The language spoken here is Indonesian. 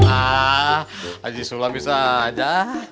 ah haji sulam bisa aja